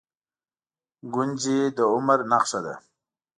گونځې د عمر نښه ده.